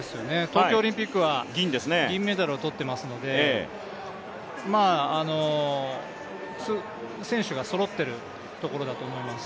東京オリンピックは銀メダルを取っていますので選手がそろっているところだと思います。